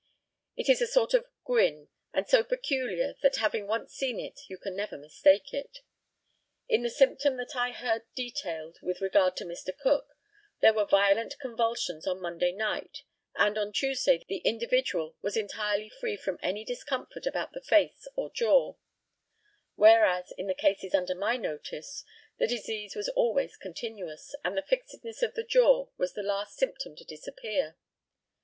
It is a sort of grin, and so peculiar, that having once seen it you can never mistake it. In the symptoms that I heard detailed with regard to Mr. Cook, there were violent convulsions on Monday night, and on Tuesday the individual was entirely free from any discomfort about the face or jaw; whereas, in the cases under my notice, the disease was always continuous, and the fixedness of the jaw was the last symptom to disappear.